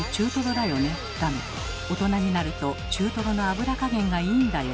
だの「大人になると中トロの脂加減がいいんだよ」